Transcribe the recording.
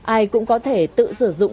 ai cũng có thể tự sử dụng